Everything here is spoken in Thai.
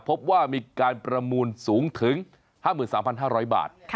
พบว่ามีการประมูลสูงถึง๕๓๕๐๐บาท